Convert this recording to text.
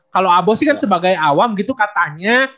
kalau abos sih kan sebagai awam gitu katanya